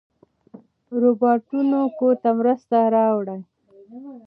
روباټونه کور ته مرسته راوړي.